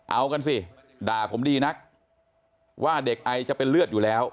เอากันสิด่าผมดีนักว่าเด็กไอจะเป็นเลือดอยู่แล้ว